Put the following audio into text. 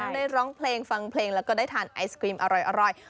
ได้ร้องเพลงฟังเพลงแล้วก็ได้ทานไอศครีมอร่อย